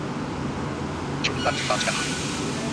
যদি প্ল্যানমতো কাজ না হয়?